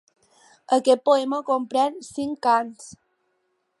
Aquest poema comprèn cinc cants.